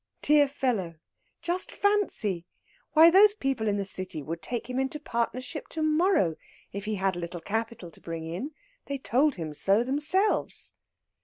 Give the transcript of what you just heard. "Dear fellow! Just fancy! Why, those people in the City would take him into partnership to morrow if he had a little capital to bring in. They told him so themselves."